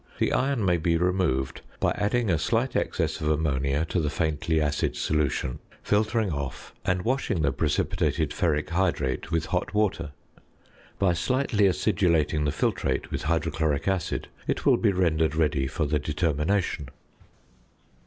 The iron may be removed by adding a slight excess of ammonia to the faintly acid solution, filtering off, and washing the precipitated ferric hydrate with hot water. By slightly acidulating the filtrate with hydrochloric acid, it will be rendered ready for the determination.